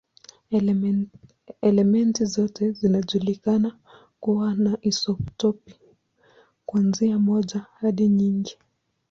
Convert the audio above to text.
Elementi zote zinajulikana kuwa na isotopi, kuanzia moja hadi nyingi.